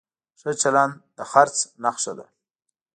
ښه چلند د خرڅ نښه ده.